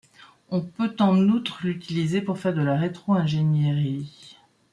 On peut en outre l'utiliser pour faire de la rétro-ingénierie.